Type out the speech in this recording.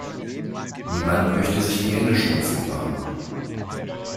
Niemand möchte sich die Hände schmutzig machen.